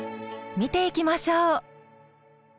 見ていきましょう。